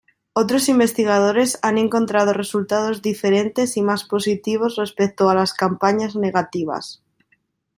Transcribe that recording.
Otros investigadores han encontrado resultados diferentes y más positivos respecto a las campañas negativas.